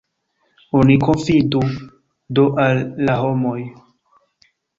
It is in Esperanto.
Oni konfidu do al la homoj!